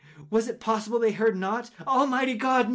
Was it possible they heard not? Almighty God!